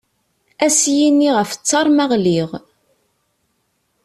Ad as-yini ɣef ttaṛ ma ɣliɣ.